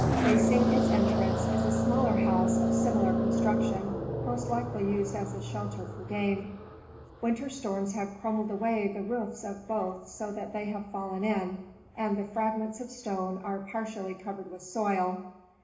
Facing its entrance is a smaller house of similar construction, most' likely used as a shelter for game. Winter storms have crumbled away the roofs of both so that they have fallen in, and the fragments of stones are partially cov ered with soil.